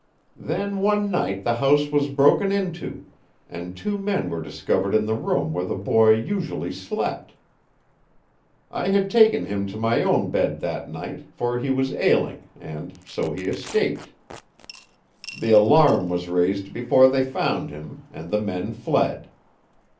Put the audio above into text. Then one night the house was broken into, and two men were discovered in the room where the boy usually slept. I had taken him to my own bed that night, for he was ailing, and so he escaped. The alarm was raised before they found him, and the men fled.